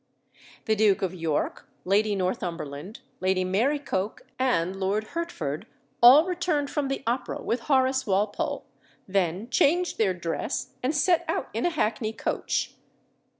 The Duke of York, Lady Northumberland, Lady Mary Coke, and Lord Hertford, all returned from the Opera with Horace Walpole, then changed their dress, and set out in a hackney coach.